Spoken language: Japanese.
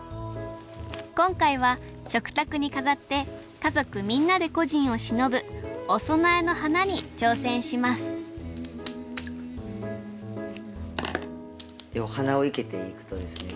今回は食卓に飾って家族みんなで故人をしのぶお供えの花に挑戦しますでお花を生けていくとですね